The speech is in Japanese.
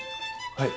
はい。